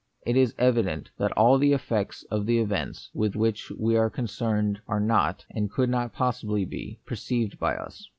It is evident that all the effects of the events / with which we are concerned are not, and could not possibly be, perceived by us.